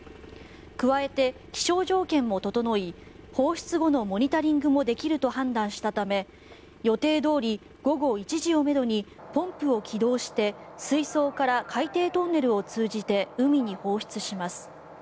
加えて気象条件も整い放出後のモニタリングもできると判断したため予定どおり午後１時をめどにポンプを起動して水槽から海底トンネルを通じて海に放出します。